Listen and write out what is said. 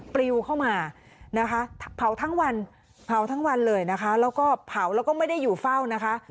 ปลิวเข้ามานะคะเผาทั้งวันเผาทั้งวันเลยนะคะแล้วก็เผาแล้วก็ไม่ได้อยู่เฝ้านะคะ